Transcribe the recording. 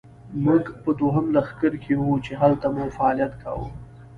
موږ په دوهم لښکر کې وو، چې هلته مو فعالیت کاوه.